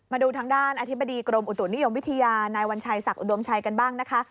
มาดูทางด้านอธิบดีกรมอุตุนิยมวิทยานายวัญชัยศักดิอุดมชัยกันบ้างนะคะ